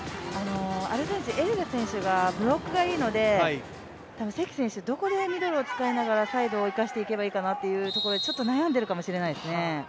アルゼンチン、エレラ選手のブロックがいいので、関選手、どこでミドルを使いながらサイドを生かしたらいいかなってところでちょっと悩んでいるかもしれないですね。